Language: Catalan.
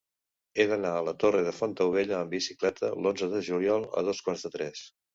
He d'anar a la Torre de Fontaubella amb bicicleta l'onze de juliol a dos quarts de tres.